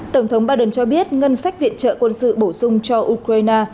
tổng thống biden cho biết ngân sách viện trợ quân sự bổ sung cho ukraine